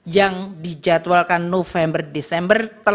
yang dijadwalkan november desember